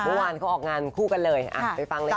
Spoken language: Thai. เมื่อวานเขาออกงานคู่กันเลยไปฟังเลยค่ะ